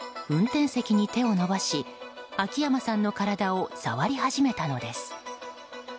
運転席に手を伸ばし秋山さんの体を触り始めたのです。